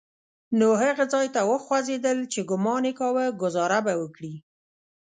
نو هغه ځای ته وخوځېدل چې ګومان يې کاوه ګوزاره به وکړي.